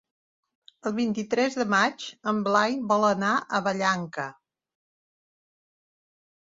El vint-i-tres de maig en Blai vol anar a Vallanca.